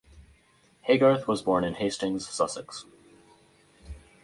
Haygarth was born in Hastings, Sussex.